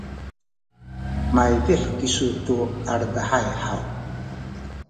maydih kisu tu aledahay haw?